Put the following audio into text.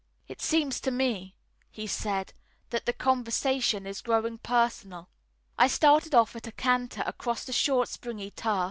"It seems to me," he said, "that the conversation is growing personal." I started off at a canter across the short, springy turf.